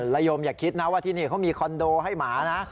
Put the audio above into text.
โยมอย่าคิดนะว่าที่นี่เขามีคอนโดให้หมานะ